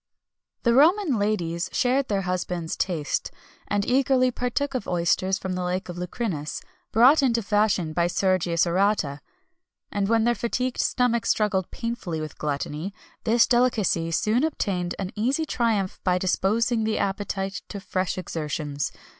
The Roman ladies shared their husbands' taste, and eagerly partook of oysters from the lake of Lucrinus, brought into fashion by Sergius Orata, and when their fatigued stomachs struggled painfully with gluttony, this delicacy soon obtained an easy triumph by disposing the appetite to fresh exertions.